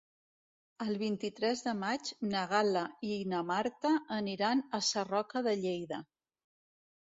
El vint-i-tres de maig na Gal·la i na Marta aniran a Sarroca de Lleida.